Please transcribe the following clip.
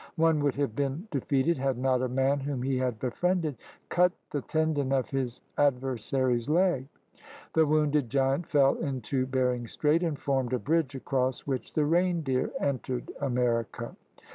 One would have been defeated had not a man whom he had befriended cut the tendon of his adversary's leg. The wounded giant fell into Bering Strait and formed a bridge across which the reindeer entered America.